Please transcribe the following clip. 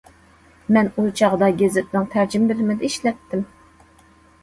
مەن ئۇ چاغدا گېزىتنىڭ تەرجىمە بۆلۈمىدە ئىشلەتتىم.